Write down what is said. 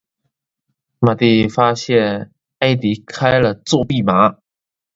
马蒂发现埃迪开了作弊码。